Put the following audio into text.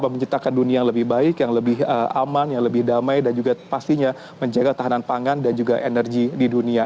menciptakan dunia yang lebih baik yang lebih aman yang lebih damai dan juga pastinya menjaga tahanan pangan dan juga energi di dunia